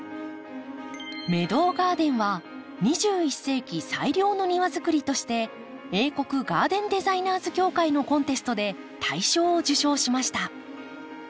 メドウガーデンは２１世紀最良の庭づくりとして英国ガーデンデザイナーズ協会のコンテストで大賞を受賞しました。